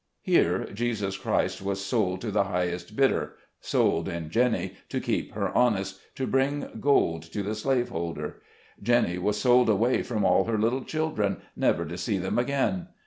Here Jesus Christ was sold to the highest bidder ; sold in Jenny to keep her honest, to bring gold to the slave holder. Jenny was sold away from all her little children, never to see them again.